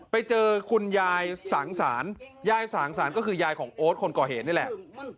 ไปเจอคุณยายสังสารยายสังสารก็คือยายของโอ๊ตคนก่อเหตุนี่แหละ